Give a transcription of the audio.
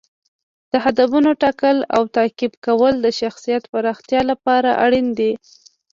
د هدفونو ټاکل او تعقیب کول د شخصیت پراختیا لپاره اړین دي.